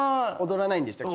踊らないんですか？